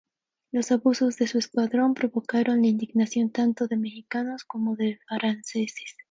Los abusos de su escuadrón provocaron la indignación tanto de mexicanos como de franceses.